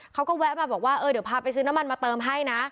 เขาก็แวะมาบอกว่าเออเดี๋ยวพาไปซื้อน้ำมันมาเติมให้นะ